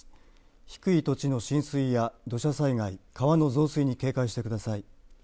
低い土地の浸水や土砂災害川の増水に警戒してください。